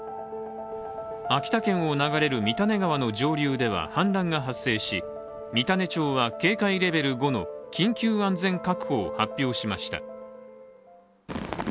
秋田県を流れる三種川の上流では氾濫が発生し三種町は警戒レベル５の緊急安全確保を発表しました。